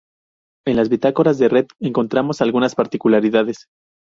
En las bitácoras de red encontramos algunas particularidades.